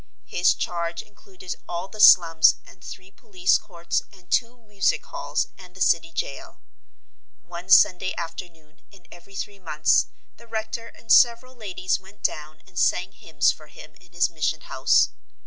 His charge included all the slums and three police courts and two music halls and the City jail. One Sunday afternoon in every three months the rector and several ladies went down and sang hymns for him in his mission house.